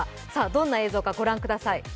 どんな映像か御覧ください。